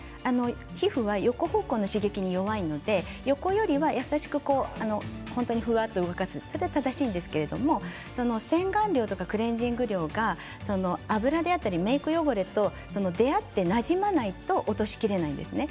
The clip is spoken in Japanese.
皮膚は横方向の刺激に弱いので押すということは正しいんですけれど洗顔料とかクレンジング料が脂であったりメーク汚れと出会ってなじまないと落としきれないんですね。